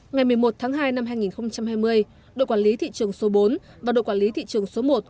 ngày một mươi một tháng hai năm hai nghìn hai mươi đội quản lý thị trường số bốn và đội quản lý thị trường số một